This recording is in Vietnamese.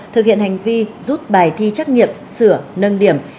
thực hiện hành vi rút bài thi trắc nghiệm sửa nâng điểm